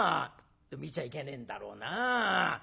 でも見ちゃいけねえんだろうな。